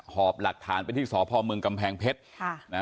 หอบหลักฐานไปที่สพเมืองกำแพงเพชรค่ะนะฮะ